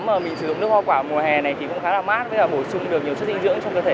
mà mình sử dụng nước hoa quả mùa hè này thì cũng khá là mát với là bổ sung được nhiều chất dinh dưỡng trong cơ thể